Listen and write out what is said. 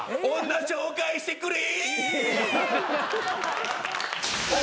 女紹介してくれ！